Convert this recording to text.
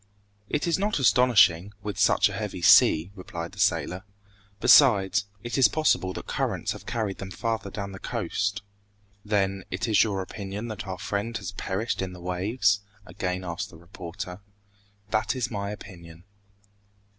"It is not astonishing, with such a heavy sea," replied the sailor. "Besides, it is possible that currents have carried them farther down the coast." "Then, it is your opinion that our friend has perished in the waves?" again asked the reporter. "That is my opinion."